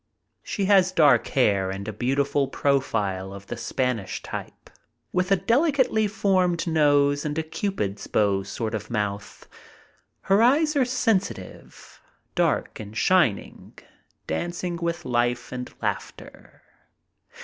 She has dark hair and a beautiful profile of the Spanish type, with a delicately formed nose and a Cupid's bow sort of mouth. Her eyes are sensitive, dark and shining, dancing with life and laughter.